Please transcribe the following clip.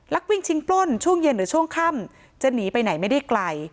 วิ่งชิงปล้นช่วงเย็นหรือช่วงค่ำจะหนีไปไหนไม่ได้ไกล